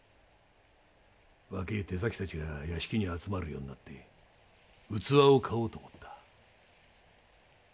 若え手先たちが屋敷に集まるようになって器を買おうと思った。